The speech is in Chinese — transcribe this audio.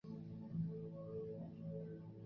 据说它发源自土耳其的卡赫拉曼马拉什。